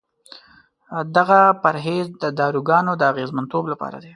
دغه پرهیز د داروګانو د اغېزمنتوب لپاره دی.